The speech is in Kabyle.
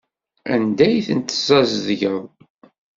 Anda ay ten-tessazedgeḍ?